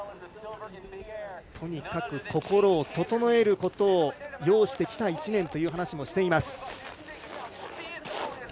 とにかく、心を整えることを要してきた１年という話もしています。